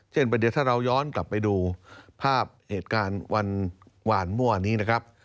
เช่นเดี๋ยวถ้าเราย้อนกลับไปดูภาพเหตุการณ์หวานมั่วนี้นะครับ